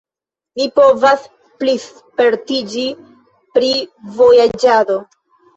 Mi povas plispertiĝi pri vojaĝado.